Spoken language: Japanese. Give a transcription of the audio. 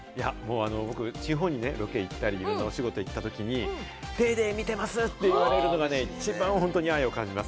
僕、地方にロケ行ったり、いろんなお仕事に行ったときに『ＤａｙＤａｙ．』見てますって言われるのが一番本当に愛を感じます。